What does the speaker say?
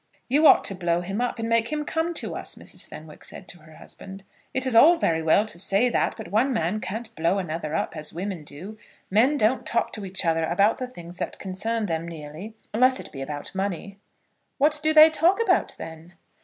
"You ought to blow him up, and make him come to us," Mrs. Fenwick said to her husband. "It is all very well to say that, but one man can't blow another up, as women do. Men don't talk to each other about the things that concern them nearly, unless it be about money." "What do they talk about, then?"